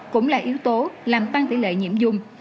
cũng là yếu tố làm tăng tỷ lệ nhiễm dung